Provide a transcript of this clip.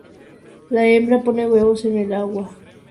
La hembra pone huevos en el agua, a veces en la vegetación sumergida.